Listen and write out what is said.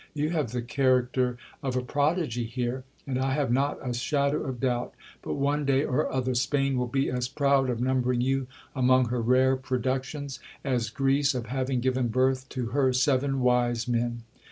You have the character of a prodigy here ; and I have not a shadow of doubt, but one day or other Spain will be as proud of numbering you among her rare productions, as Greece of having given birth to her seven wise men.